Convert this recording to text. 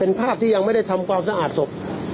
เป็นภาพที่ยังไม่ได้ทำความสะอาดศพ